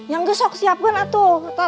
yang besok siapkan atuh